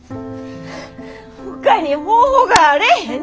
ほかに方法があれへんねん！